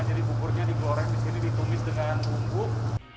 jadi buburnya digoreng di sini ditumis dengan umbuk